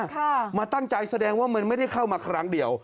ค่ะมาตั้งใจแสดงว่ามันไม่ได้เข้ามาครั้งเดียว